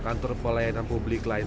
kantor pelayanan publik lain